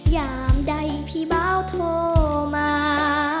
ยามใดพี่เบาโทรมา